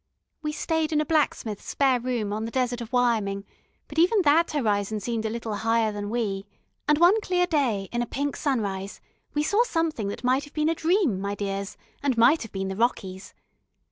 We stayed in a blacksmith's spare room on the desert of Wyoming, but even that horizon seemed a little higher than we, and one clear day, in a pink sunrise, we saw something that might have been a dream, my dears, and might have been the Rockies.